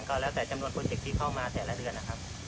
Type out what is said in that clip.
ก็แล้วแต่จำนวนโปรเจคที่เข้ามาแต่ละเดือนนะครับ